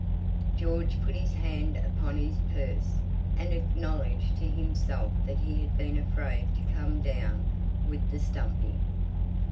George put his hand upon his purse, and acknowledged to himself that he had been afraid to come down with the stumpy.